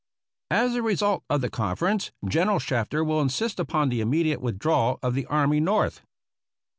As a result of the conference General Shafter will insist upon the immediate withdrawal of the army North.